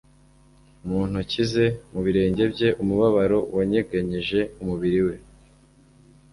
mu ntoki ze, mu birenge bye, umubabaro wanyeganyeje umubiri we,